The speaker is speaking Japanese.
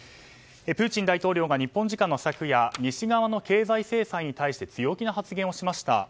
プーチン大統領が日本時間の昨夜西側の経済制裁に対して強気な発言をしました。